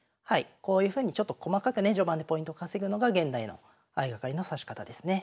こういうふうにちょっと細かくね序盤でポイント稼ぐのが現代の相掛かりの指し方ですね。